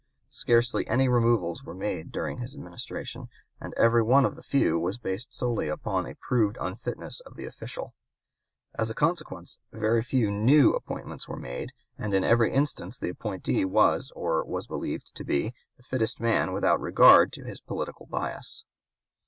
Scarcely any removals were made during his Administration, and every one of the few was based solely upon a proved unfitness of the official. As a consequence very few new appointments were made, and in every instance the appointee was, or was believed to be, the fittest man without regard to his political bias.